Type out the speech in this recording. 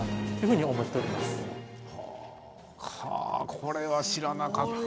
これは知らなかった。